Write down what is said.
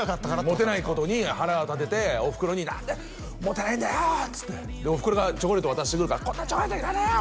モテないことに腹立てておふくろに「何でモテないんだよ！」っつっておふくろがチョコレート渡してくるから「こんなチョコレートいらねえよ！」